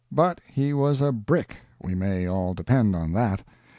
But he was a "brick," we may all depend upon that.